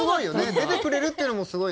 出てくれるっていうのもすごい。